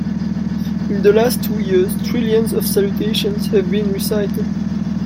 In the last two years trillions of salutations have been recited.